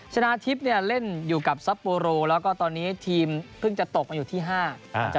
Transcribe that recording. ชนะทฤพเล่นอยู่กับซับโปรโลแล้วทีมก็เบอร์ตกอยู่ที่ห้า